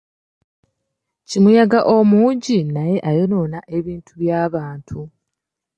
Kibuyaga omungi naye ayonoona ebintu bya bantu.